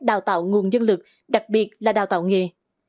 đào tạo nguồn dân lực đặc biệt là đào tạo nghề